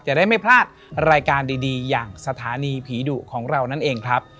จะได้ไม่พลาดรายการดีอย่างสถานีผีดุของเรานั่นเองครับ